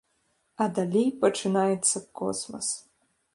А далей пачынаецца космас!